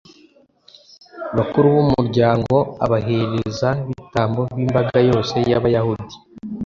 bakuru b'umuryango abaherezabitambo n'imbaga yose y'abayahudi